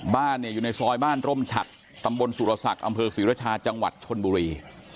บ้านเนี่ยอยู่ในซอยบ้านร่มฉัดตำบลสุรศักดิ์อำเภอศรีรชาจังหวัดชนบุรี